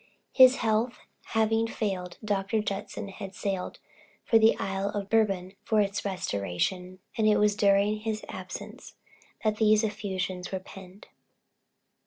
His health having failed, Dr. J. had sailed for the Isle of Bourbon for its restoration, and it was during his absence that these effusions were penned.